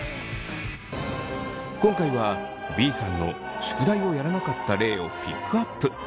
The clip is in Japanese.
今回はＢさんの宿題をやらなかった例をピックアップ。